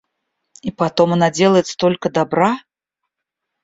И потом она делает столько добра!